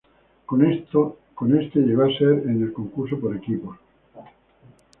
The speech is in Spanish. Con este llegó a ser en el concurso por equipos.